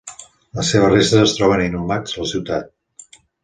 Les seves restes es troben inhumats a la ciutat.